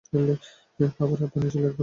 খাবার আর পানীয় ছিলো একদম বাজে।